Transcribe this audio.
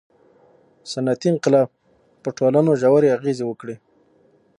• صنعتي انقلاب په ټولنو ژورې اغېزې وکړې.